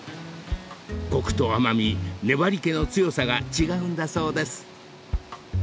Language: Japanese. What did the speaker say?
［コクと甘味粘り気の強さが違うんだそうです］